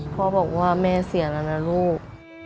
พ่อบอกว่าแม่เสียแล้วนะลูก